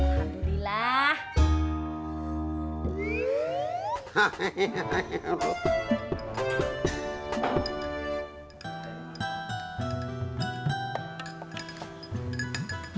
nanti kita ke rumah